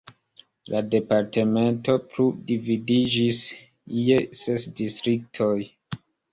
La departemento plu dividiĝis je ses distriktoj.